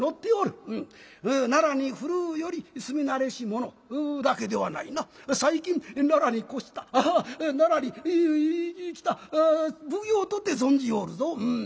奈良に古うより住み慣れし者だけではないな最近奈良に越した奈良に来た奉行とて存じおるぞうん。